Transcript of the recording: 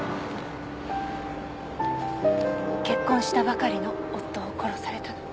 結婚したばかりの夫を殺されたの。